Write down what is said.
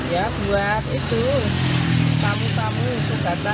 ya buat itu tamu tamu sumbatan